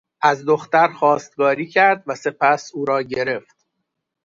از دختر خواستگاری کرد و سپس او را گرفت.